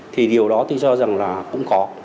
thì điều đó tôi cho rằng là cũng có